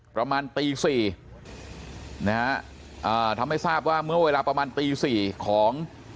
ประมาณตีสี่นะฮะอ่าทำให้ทราบว่าเมื่อเวลาประมาณตีสี่ของ